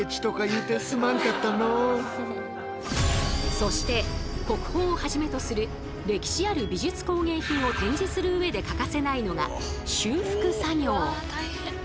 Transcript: そして国宝をはじめとする歴史ある美術工芸品を展示する上で欠かせないのが修復作業。